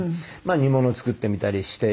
煮物作ってみたりして。